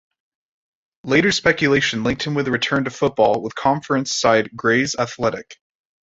Later speculation linked him with a return to football with Conference side Grays Athletic.